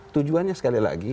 tujuannya sekali lagi